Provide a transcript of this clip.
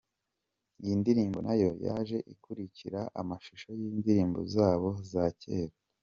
Iyi ndirimbo nayo yaje ikurikira amashusho y’indirimbo zabo za kera.